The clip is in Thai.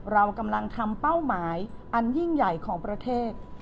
เรากำลังทำเป้าหมายอันยิ่งใหญ่ของประเทศ